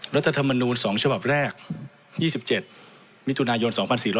รัฐธรรมนูล๒ฉบับแรก๒๗มิถุนายน๒๔๙